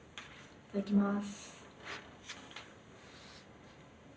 いただきます。